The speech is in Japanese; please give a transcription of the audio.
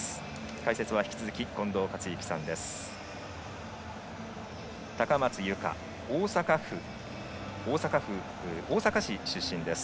解説は引き続き近藤克之さんです。